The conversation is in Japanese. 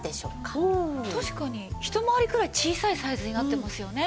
確かにひと回りくらい小さいサイズになってますよね。